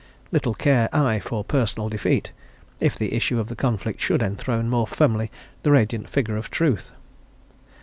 Little care I for personal defeat, if the issue of the conflict should enthrone more firmly the radiant figure of Truth.